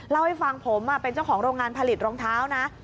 เล่าให้ฟังผมเป็นเจ้าของโรงงานผลิตรองเท้านะ